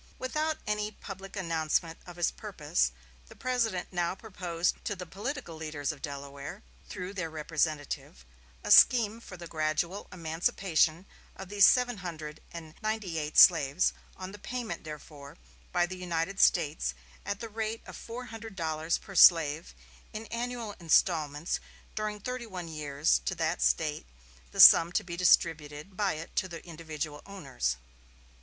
Without any public announcement of his purpose, the President now proposed to the political leaders of Delaware, through their representative, a scheme for the gradual emancipation of these seventeen hundred and ninety eight slaves, on the payment therefore by the United States at the rate of four hundred dollars per slave, in annual instalments during thirty one years to that State, the sum to be distributed by it to the individual owners.